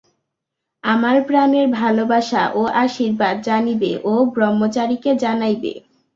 আমার প্রাণের ভালবাসা ও আশীর্বাদ জানিবে ও ব্রহ্মচারীকে জানাইবে।